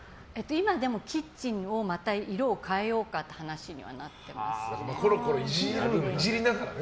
今、でもキッチンをまた色を変えようかっていう話にいじりながらね。